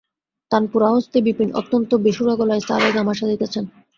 তানপুরা-হস্তে বিপিন অত্যন্ত বেসুরা গলায় সা রে গা মা সাধিতেছেন।